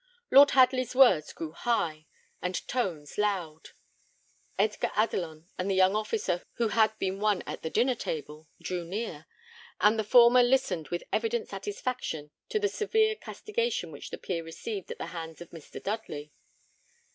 Lord Hadley's words grew high, and tones loud; Edgar Adelon and the young officer, who had been one at the dinner table, drew near; and the former listened with evident satisfaction to the severe castigation which the peer received at the hands of Mr. Dudley.